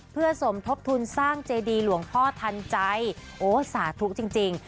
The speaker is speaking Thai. เพื่อสมทบทุนสร้างเจดีหลวงพ่อทันใจโอ้สาธุจริงจริง